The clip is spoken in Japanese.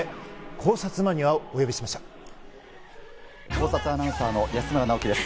考察アナウンサーの安村直樹です。